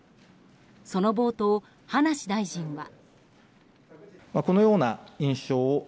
その冒頭、葉梨大臣は。